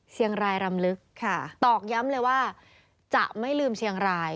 เชียงรายรำลึกตอกย้ำเลยว่าจะไม่ลืมเชียงราย